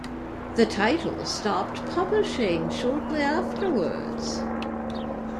The title stopped publishing shortly afterwards.